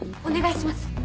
お願いします。